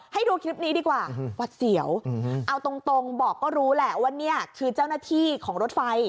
ให้ดูคลิปนี้ดีกว่าหวัดเสียวเอาตรงบอกก็รู้แหละว่าเนี่ยคือเจ้าหน้าที่ของรถไฟ